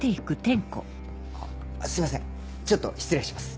あっすいませんちょっと失礼します。